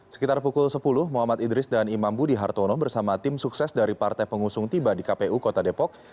sekitar pukul sepuluh muhammad idris dan imam budi hartono bersama tim sukses dari partai pengusung tiba di kpu kota depok